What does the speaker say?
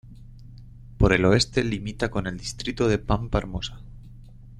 Por el oeste limita con el distrito de Pampa Hermosa.